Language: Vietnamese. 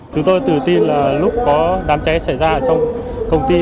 chúng tôi tự tin là lúc có đám cháy xảy ra trong công ty